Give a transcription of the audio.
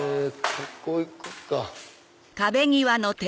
ここ行くか。